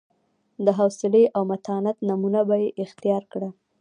د حوصلې او متانت نمونه به یې اختیار کړه.